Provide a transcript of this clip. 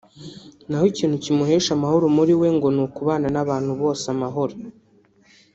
naho ikintu kimuhesha amahoro muri we ngo ni ukubana n'abantu bose amahoro